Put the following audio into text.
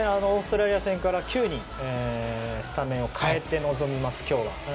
オーストラリア戦から９人、スタメンを変えて臨みます、今日は。